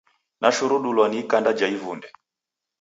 Nashurudulwa ni ikanda ja ivunde.